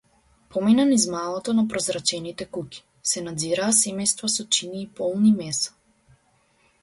Помина низ маалото на прозрачните куќи, се наѕираа семејства со чинии полни меса.